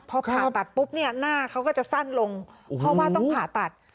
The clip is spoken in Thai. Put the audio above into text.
พอผ่าตัดปุ๊บเนี่ยหน้าเขาก็จะสั้นลงเพราะว่าต้องผ่าตัด